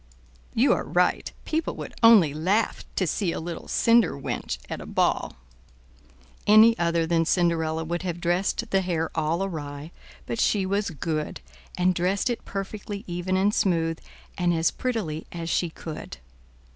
"You are right; people would only laugh to see a little cinder wench at a ball." Any other than Cinderella would have dressed the hair all awry, but she was good, and dressed it perfectly even and smooth, and as prettily as she could.